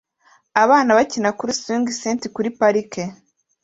Abana bakina kuri swing set kuri parike